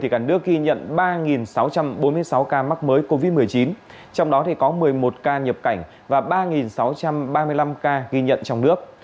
cả nước ghi nhận ba sáu trăm bốn mươi sáu ca mắc mới covid một mươi chín trong đó có một mươi một ca nhập cảnh và ba sáu trăm ba mươi năm ca ghi nhận trong nước